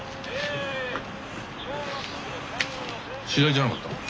知り合いじゃなかったの？